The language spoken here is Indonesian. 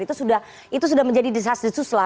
itu sudah menjadi desas desuslah